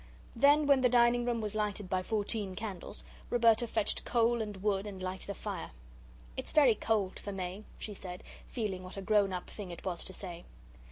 Then, when the dining room was lighted by fourteen candles, Roberta fetched coal and wood and lighted a fire. "It's very cold for May," she said, feeling what a grown up thing it was to say.